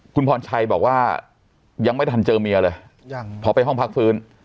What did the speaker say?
คุณพรชัยบอกว่ายังไม่ทันเจอเมียเลยพอไปห้องพักฟื้น